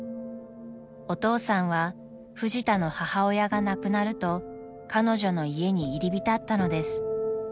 ［お父さんはフジタの母親が亡くなると彼女の家に入り浸ったのです］